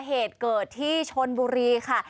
เหตุเกิดที่ชนบุรีค่ะ